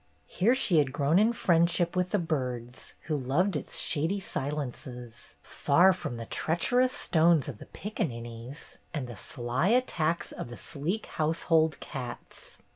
Here she had grown in friendship with the birds, who loved its shady silences, far from the treacherous stones of the piccaninnies and the sly attacks of the sleek household cats.